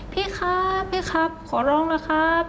พี่ครับพี่ครับขอร้องนะครับ